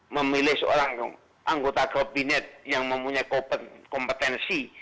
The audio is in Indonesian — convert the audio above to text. memilih seorang anggota kabinet yang mempunyai kompetensi